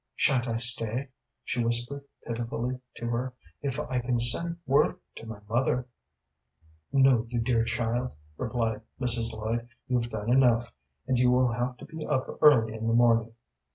"Sha'n't I stay?" she whispered, pitifully, to her. "If I can send word to my mother " "No, you dear child," replied Mrs. Lloyd, "you've done enough, and you will have to be up early in the morning."